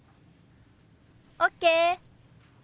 ＯＫ！